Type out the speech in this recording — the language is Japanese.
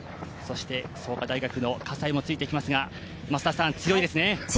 そして、創価大学の葛西もついていきますが増田さん、強いですね。